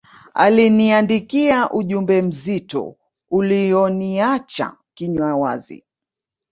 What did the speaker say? aliniandikia ujumbe mzito uliyoniacha kinywa wazi